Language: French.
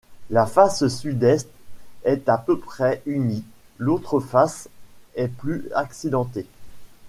La face sud-est est a peu près unie, l'autre face est plus accidentée.